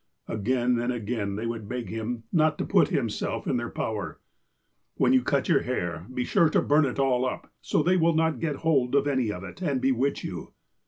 Again and again they would beg of him not to put himself in their power : ''When you cut your hair, be sure to burn it all up, so they will not get hold of any of it, and bewitch you."